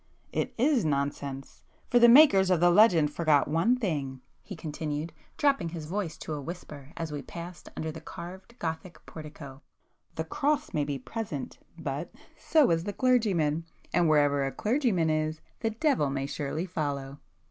"It is nonsense,—for the makers of the legend forgot one thing;" he continued, dropping his voice to a whisper as [p 296] we passed under the carved gothic portico—"The cross may be present,——but——so is the clergyman! And wherever a clergyman is, the devil may surely follow!"